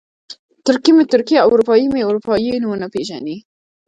ترکي مې ترکي او اروپایي مې اروپایي ونه پېژني.